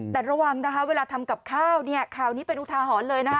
แต่ระวังนะคะเวลาทำกับข้าวเนี่ยข่าวนี้เป็นอุทาหรณ์เลยนะคะ